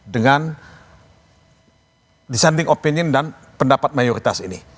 dengan dissenting opinion dan pendapat mayoritas ini